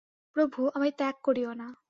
প্রভু, আমায় ত্যাগ করিও না।